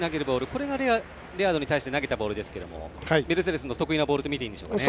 これがレアードに対して投げたボールでしたがメルセデスの得意なボールとみていいんでしょうか。